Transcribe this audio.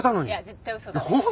絶対嘘だ。